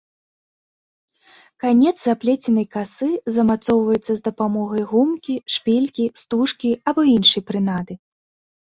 Канец заплеценай касы замацоўваецца з дапамогай гумкі, шпількі, стужкі або іншай прынады.